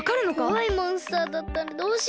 こわいモンスターだったらどうしよう。